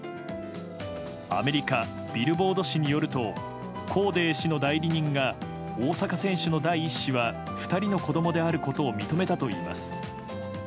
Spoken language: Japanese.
アメリカ「ビルボード」誌によるとコーデー氏の代理人が大坂選手の第１子は２人の子供であることを認めたといいます。